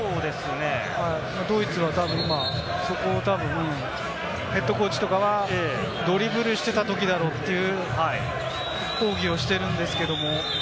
ドイツは今、そこをたぶん、ＨＣとかはドリブルしてたときだろうという抗議をしているんですけれども。